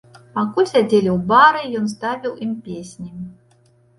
Пакуль сядзелі ў бары, ён ставіў ім песні.